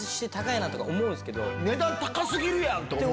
値段高過ぎるやん！と思う。